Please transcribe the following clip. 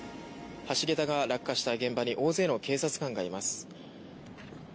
橋桁が落下した現場に大勢の警察官がいます。